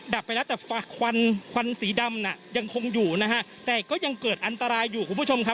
ดับไปแล้วแต่ควันควันสีดำน่ะยังคงอยู่นะฮะแต่ก็ยังเกิดอันตรายอยู่คุณผู้ชมครับ